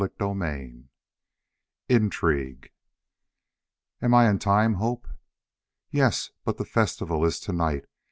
CHAPTER V Intrigue "Am I in time, Hope?" "Yes, but the festival is to night.